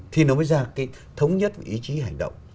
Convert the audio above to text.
thì nó mới ra cái thống nhất ý chí hành động